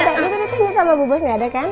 gak ada dia tadi sama bubos gak ada kan